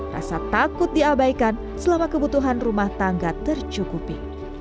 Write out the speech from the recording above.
rasa takut diabaikan selama kebutuhan rumah tangga tercukupi